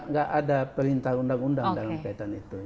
nggak ada perintah undang undang dalam kaitan itu